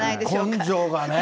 根性がね。